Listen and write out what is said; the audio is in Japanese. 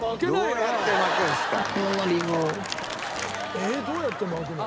えーっどうやって巻くの？